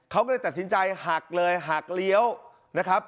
เขาก็เลยตัดสินใจหักเลยหักเลี้ยวนะครับ